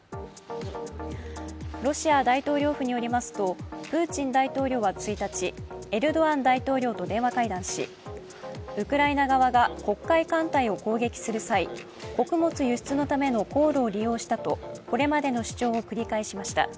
ロシア大統領府によりますとプーチン大統領は１日、エルドアン大統領と電話会談しウクライナ側が黒海艦隊を攻撃する際穀物輸出のための航路を利用したとこれまでの主張を繰り返しました。